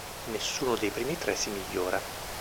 Nessuno dei primi tre si migliora.